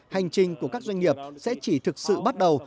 hành trình của các doanh nghiệp sẽ chỉ thực sự bắt đầu